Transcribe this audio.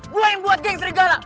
mulai yang buat geng serigala